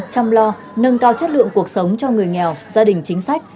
chăm lo nâng cao chất lượng cuộc sống cho người nghèo gia đình chính sách